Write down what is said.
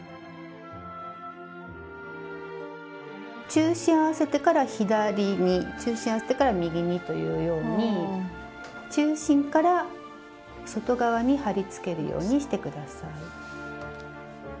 中心を合わせてから左に中心を合わせてから右にというように中心から外側に貼り付けるようにして下さい。